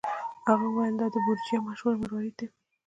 هغه وویل چې دا د بورجیا مشهور مروارید دی.